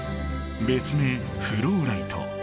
別名フローライト。